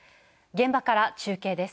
現場から中継です。